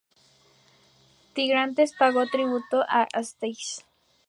Tigranes pagó tributo a Astiages.